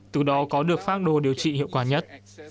từ đó có được phác đồ điều trị hiệu quả nhất